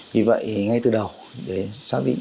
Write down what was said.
vì vậy ngay từ đầu để xác định